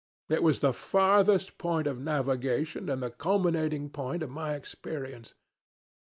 It was the farthest point of navigation and the culminating point of my experience.